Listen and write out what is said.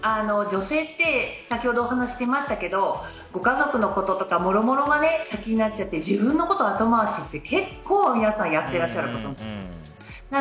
女性って先ほどお話が出ましたけどご家族のこととかもろもろが先になっちゃって自分のことは後回しって結構皆さんやっていらっしゃるんです。